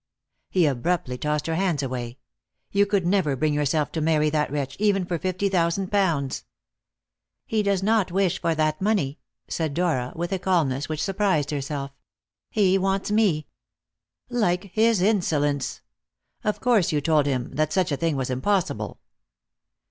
He abruptly tossed her hands away. "You could never bring yourself to marry that wretch, even for fifty thousand pounds." "He does not wish for that money," said Dora, with a calmness which surprised herself; "he wants me." "Like his insolence! Of course you told him that such a thing was impossible!"